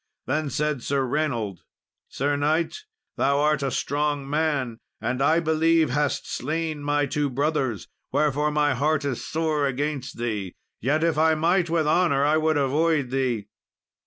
Then said Sir Reynold, "Sir knight, thou art a strong man, and, I believe, hast slain my two brothers, wherefore my heart is sore against thee; yet, if I might with honour, I would avoid thee.